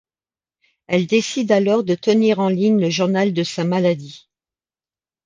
Elle décide alors de tenir en ligne le journal de sa maladie.